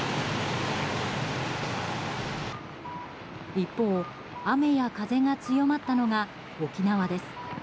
一方、雨や風が強まったのが沖縄です。